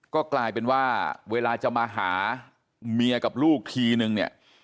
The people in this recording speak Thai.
ก็กลายเป็นว่าเวลาจะมาหาเมียกับลูกทีนึงเนี่ย